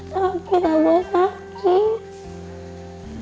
tapi abah sakit